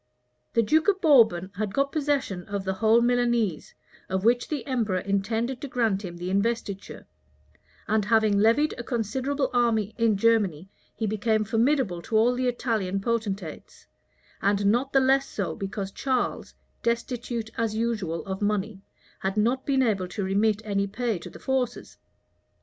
{1527.} The duke of Bourbon had got possession of the whole Milanese, of which the emperor intended to grant him the investiture; and having levied a considerable army in Germany, he became formidable to all the Italian potentates; and not the less so because Charles, destitute, as usual, of money, had not been able to remit any pay to the forces.